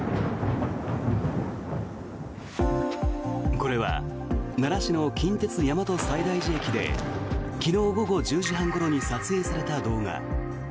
これは奈良市の近鉄大和西大寺駅で昨日午後１０時半ごろに撮影された動画。